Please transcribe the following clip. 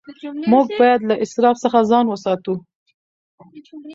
موږ باید له اسراف څخه ځان وساتو.